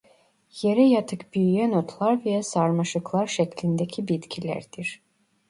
Yere yatık büyüyen otlar veya sarmaşıklar şeklindeki bitkilerdir.